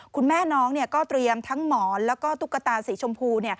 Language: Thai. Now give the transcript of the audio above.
คุณแม่น้องก็เตรียมทั้งหมอนแล้วก็ตุ๊กตาสีชมพู